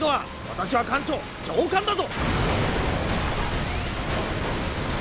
私は艦長上官だぞ！